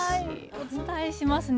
お伝えしますね。